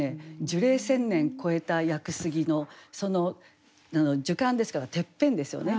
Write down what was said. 樹齢１，０００年越えた屋久杉の「樹冠」ですからてっぺんですよね。